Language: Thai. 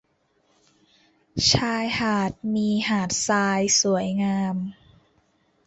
ชายหาดมีหาดทรายสวยงาม